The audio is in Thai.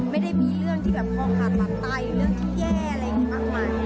ไม่ได้มีเรื่องที่พ่อผ่านตายเรื่องที่แย่อะไรท่ะ